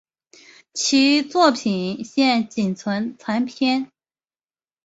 其作品现仅存残篇。